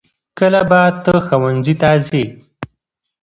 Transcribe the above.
کله به ته ښوونځي ته ځې؟